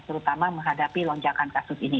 terutama menghadapi lonjakan kasus ini